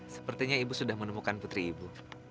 sepertinya ibu sudah menemukan putri ibu